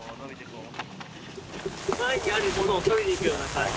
前にあるものを取りに行くような感じ